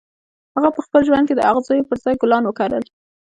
هغه په خپل ژوند کې د اغزیو پر ځای ګلان وکرل